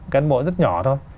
cán bộ rất nhỏ thôi